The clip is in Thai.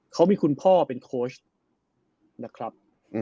เขามีคุณพ่อเป็นโค้ชนะครับ